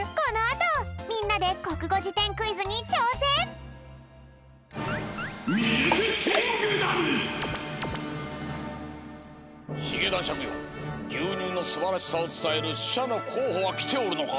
このあと髭男爵よぎゅうにゅうのすばらしさをつたえるししゃのこうほはきておるのか？